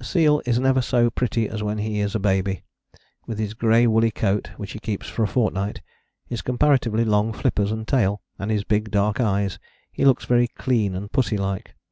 A seal is never so pretty as when he is a baby. With his grey woolly coat, which he keeps for a fortnight, his comparatively long flippers and tail, and his big dark eyes, he looks very clean and pussy like.